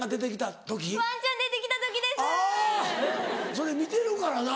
それ見てるからな。